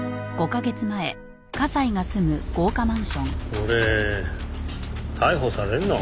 俺逮捕されるの？